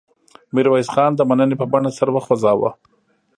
میرویس خان د مننې په بڼه سر وخوځاوه.